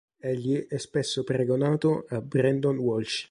Egli è spesso paragonato a Brandon Walsh.